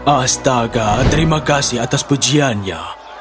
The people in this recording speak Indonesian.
astaga terima kasih atas pujiannya